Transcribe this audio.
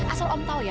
asal om tahu ya